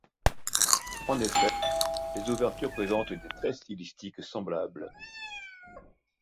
En effet, les ouvertures présentent des traits stylistiques semblables.